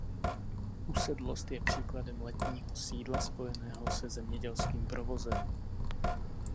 Usedlost je příkladem letního sídla spojeného se zemědělským provozem.